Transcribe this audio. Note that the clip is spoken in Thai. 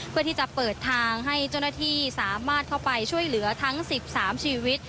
เพื่อที่จะเปิดทางให้เจ้าหน้าที่สามารถเข้าไปช่วยเหลือทั้ง๑๓ชีวิต